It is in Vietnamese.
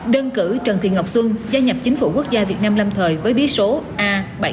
đơn cử trần thị ngọc xuân gia nhập chính phủ quốc gia việt nam lâm thời với bí số a bảy trăm bốn mươi